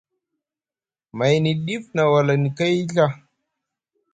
Mayni ɗif na walani kay Ɵa.